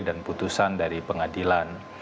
dan putusan dari pengadilan